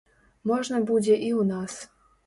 Можна будзе і ў нас.